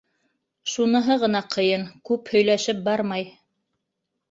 Шуныһы ғына ҡыйын: күп һөйләшеп бармай.